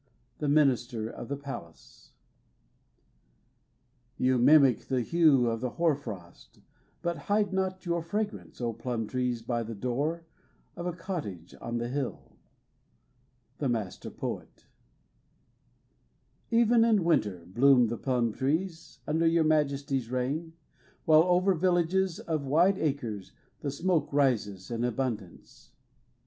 The Minister of the Palace You mimic the hue Of the hoar frost, But hide not your fragrance, O plum trees by the door Of a cottage on the hill ! The Master poet Even in winter Bloom the plum trees Under your Majesty's reign While over villages of wide acres The smoke rises in abundance.